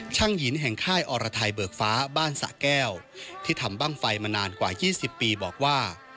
หญิงแห่งค่ายอรไทยเบิกฟ้าบ้านสะแก้วที่ทำบ้างไฟมานานกว่า๒๐ปีบอกว่า